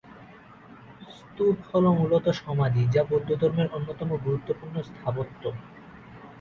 স্তূপ হলো মূলত সমাধি, যা বৌদ্ধধর্মের অন্যতম গুরুত্বপূর্ণ স্থাপত্য।